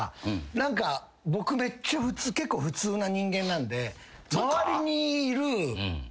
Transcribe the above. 何か僕めっちゃ普通結構普通な人間なんで周りにいる。